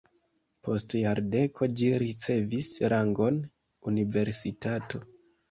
Post jardeko ĝi ricevis rangon universitato.